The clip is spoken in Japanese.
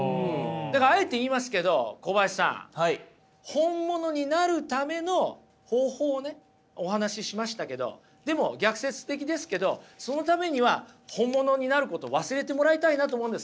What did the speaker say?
本物になるための方法をねお話ししましたけどでも逆説的ですけどそのためには本物になることを忘れてもらいたいなと思うんです一旦。